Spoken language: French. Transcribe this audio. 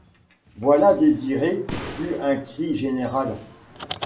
Voilà Désiré! fut un cri général.